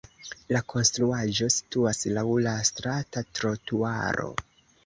La konstruaĵo situas laŭ la strata trotuaro.